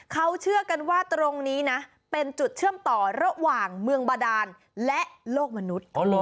เขาเชื่อกันว่าตรงนี้นะเป็นจุดเชื่อมต่อระหว่างเมืองบาดานและโลกมนุษย์